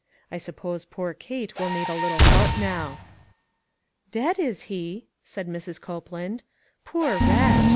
I suppose poor Kate will need a little help now." " Dead, is he ?" said Mrs. Copeland. " Poor wretch